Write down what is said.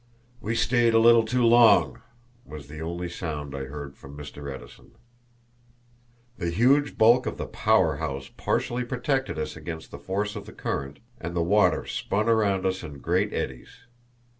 "We stayed a little too long," was the only sound I heard from Mr. Edison. The huge bulk of the power house partially protected us against the force of the current, and the water spun around us in great eddies.